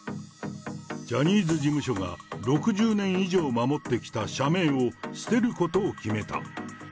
ジャニーズ事務所が６０年以上守ってきた社名を捨てることを決めた。